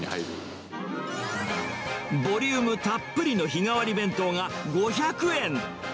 ボリュームたっぷりの日替わり弁当が５００円。